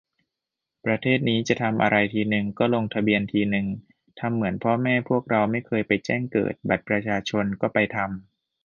ประเทศนี้ จะทำอะไรทีนึง ก็ลงทะเบียนทีนึง ทำเหมือนพ่อแม่พวกเราไม่เคยไปแจ้งเกิด บัตรประชาชนก็ไปทำ